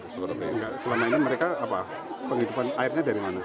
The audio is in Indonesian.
selama ini mereka apa penghitupan airnya dari mana